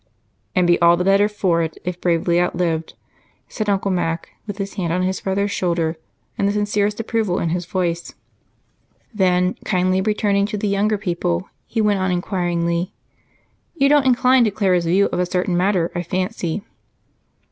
"And be all the better for, if bravely outlived," said Uncle Mac, with his hand on his brother's shoulder and the sincerest approval in his voice. Then, kindly returning to the younger people, he went on inquiringly, "You don't incline to Clara's view of a certain matter, I fancy?"